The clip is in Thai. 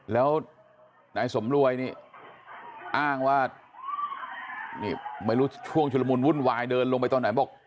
แล้วนายสมรวยนี่อ้างว่านี่ไม่รู้ช่วงชุลมุนวุ่นวายเดินลงไปตอนไหนบอก